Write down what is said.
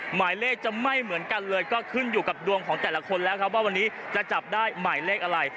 หมายเลขจะไม่เหมือนกันเลยก็ขึ้นอยู่กับดวงของแต่ละคนแล้วครับว่าวันนี้จะจับได้หมายเลขอะไร